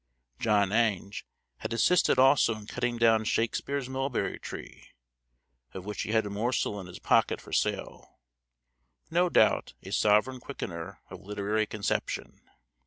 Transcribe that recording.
John Ange had assisted also in cutting down Shakespeare's mulberry tree, of which he had a morsel in his pocket for sale; no doubt a sovereign quickener of literary conception.